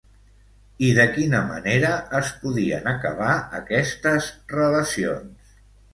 I de quina manera es podien acabar aquestes relacions?